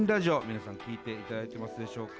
皆さん、聞いていただいていますでしょうか。